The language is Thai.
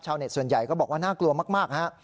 ชาวเน็ตส่วนใหญ่ก็บอกว่าน่ากลัวมากนะฮะ